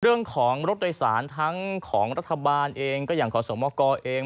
เรื่องของรถโดยสารทั้งของรัฐบาลเองก็อย่างขอสมกรเอง